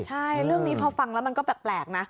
ใช่เรื่องนี้พอฟังแล้วมันก็แปลกนะ